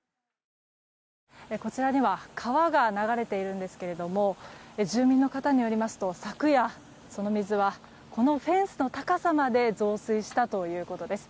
こちらには川が流れているんですが住民の方によりますと昨夜、その水はこのフェンスの高さまで増水したということです。